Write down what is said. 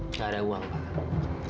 gak ada uang pak